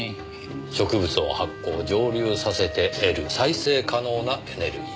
植物を発酵蒸留させて得る再生可能なエネルギー。